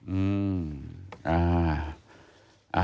อืมอ่า